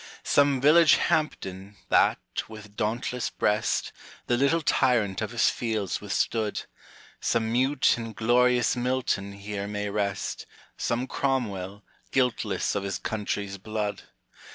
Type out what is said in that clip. Some village Hampden, that, with dauntless breast, The little tryant of his fields withstood, Some mute, inglorious Milton here may rest, Some Cromwell, guiltless of his country's blood.